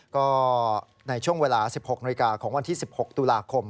ก็ในช่วงเวลา๑๖นาฬิกาของวันที่๑๖ตุลาคม